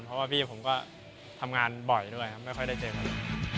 เพราะว่าพี่ผมก็ทำงานบ่อยด้วยครับไม่ค่อยได้เจอกันเลย